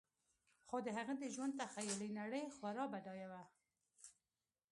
خو د هغه د ژوند تخیلي نړۍ خورا بډایه وه